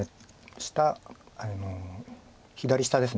下左下です。